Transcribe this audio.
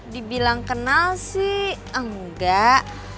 dibilang kenal sih enggak